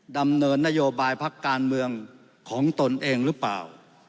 ดำเนินนโยบายพักการเมืองของตนเองหรือเปล่า